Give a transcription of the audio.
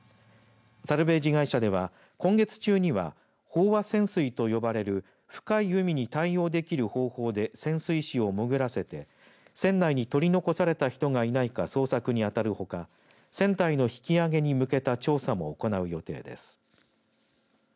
サルベージ会社では今月中には飽和潜水と呼ばれる深い海に対応できる方法で潜水士を潜らせて船内に取り残された人がいないか捜索にあたるほか船体の引き揚げに向けた調査も行う予定です。